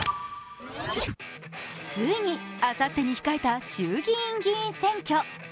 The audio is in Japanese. ついにあさってに控えた衆議院選挙。